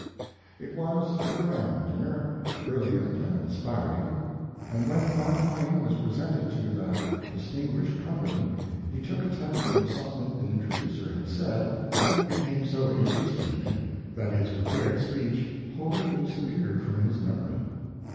It was a grand dinner, brilliant and inspiring, and when, Mark Twain was presented to that distinguished company he took a text from something the introducer had said and became so interested in it that his prepared speech wholly disappeared from his memory.